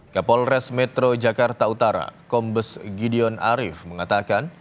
kapolres metro jakarta utara kombes gideon arief mengatakan